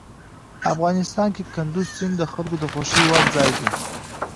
افغانستان کې کندز سیند د خلکو د خوښې وړ ځای دی.